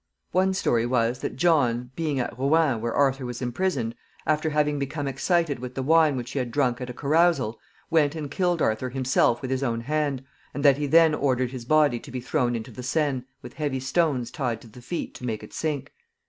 One story was that John, being at Rouen, where Arthur was imprisoned, after having become excited with the wine which he had drunk at a carousal, went and killed Arthur himself with his own hand, and that he then ordered his body to be thrown into the Seine, with heavy stones tied to the feet to make it sink.